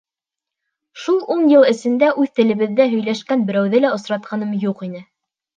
Шул ун йыл эсендә үҙ телебеҙҙә һөйләшкән берәүҙе лә осратҡаным юҡ ине.